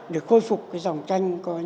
để khôi phục cái dòng tranh của anh